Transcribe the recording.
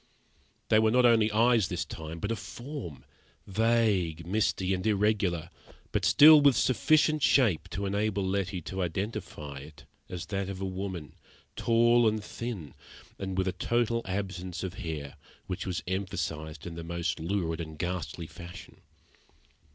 There were not only eyes, this time, but a form, vague, misty, and irregular, but still with sufficient shape to enable Letty to identify it as that of a woman, tall and thin, and with a total absence of hair, which was emphasised in the most lurid and ghastly fashion.